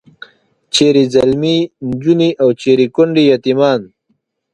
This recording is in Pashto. چیرې ځلمي نجونې او چیرې کونډې یتیمان.